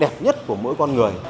điều tốt đẹp nhất của mỗi con người